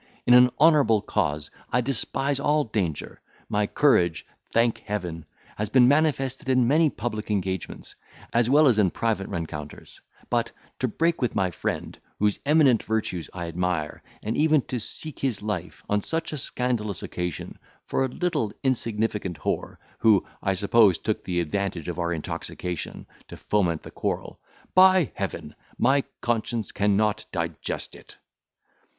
In an honourable cause, I despise all danger; my courage, thank Heaven! has been manifested in many public engagements as well as in private rencounters; but, to break with my friend, whose eminent virtues I admire, and even to seek his life, on such a scandalous occasion, for a little insignificant w— e, who, I suppose, took the advantage of our intoxication, to foment the quarrel: by Heaven! my conscience cannot digest it."